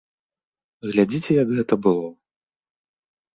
Глядзіце, як гэта было!